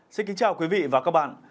xin kính chào quý vị và các bạn